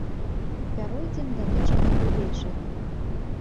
Пяройдзем да нечага глыбейшага.